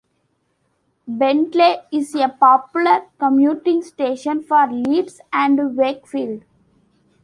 Bentley is a popular commuting station for Leeds and Wakefield.